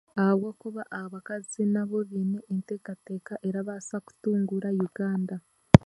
Ahabwokuba abakazi nabo baine enteekateeka erabaasa kutunguura Uganda